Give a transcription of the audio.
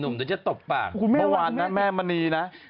เมื่อวานนะแม่มณีนะ